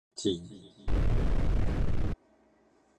代誌